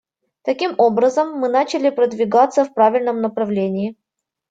Таким образом, мы начали продвигаться в правильном направлении.